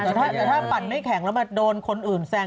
แต่ถ้าปั่นไม่แข็งแล้วมาโดนคนอื่นแซง